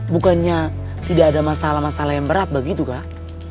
bukannya tidak ada masalah masalah yang berat begitu kan